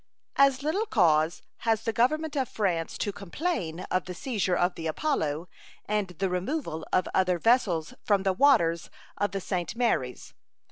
As little cause has the Government of France to complain of the seizure of the Apollo and the removal of other vessels from the waters of the St. Marys.